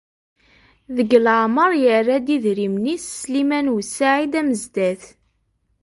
Deg leɛmeṛ yerra-d idrimen-is Sliman u Saɛid Amezdat.